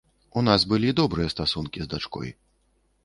У нас былі добрыя стасункі з дачкой.